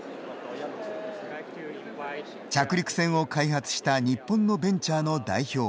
着陸船を開発した日本のベンチャーの代表